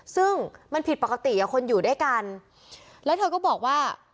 ซึ่งมันผิดปกติอ่ะคนอยู่ด้วยกันแล้วเธอก็บอกว่า